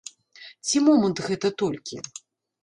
Ці момант гэта толькі?